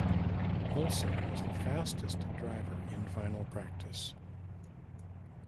Wilson was the fastest driver in final practice.